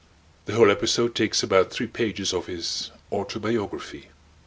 The whole episode takes about three pages of his autobiography.